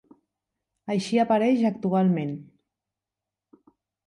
Així apareix actualment.